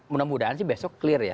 mudah mudahan sih besok clear ya